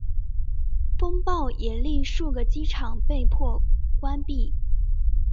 风暴也令数个机场被迫关闭。